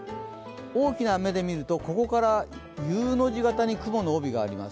大きな目で見ると、ここからＵの字型に雲があります。